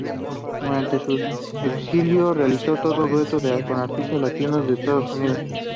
Durante su exilio, realizó dos duetos con artistas latinos de Estados Unidos.